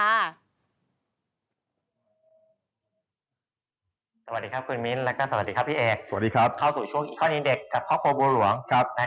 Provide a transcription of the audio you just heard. สวัสดีครับคุณมิ้นและก็สวัสดีครับพี่เอก